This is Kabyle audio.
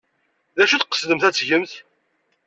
D acu tqesdemt ad t-tgemt?